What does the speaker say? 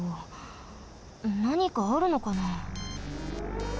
なにかあるのかな？